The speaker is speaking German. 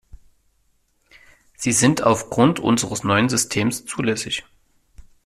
Sie sind aufgrund unseres neuen Systems zulässig.